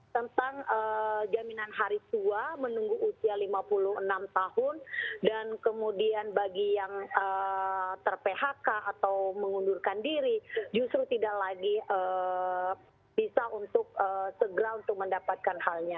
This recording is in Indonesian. tentang jaminan hari tua menunggu usia lima puluh enam tahun dan kemudian bagi yang ter phk atau mengundurkan diri justru tidak lagi bisa untuk segera untuk mendapatkan halnya